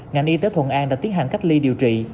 ngành y tế thuận an đã tiến hành cách ly điều trị